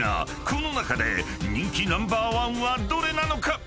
［この中で人気ナンバーワンはどれなのか？］